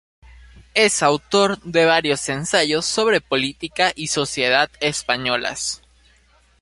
Es autor de varios ensayos sobre política y sociedad españolas.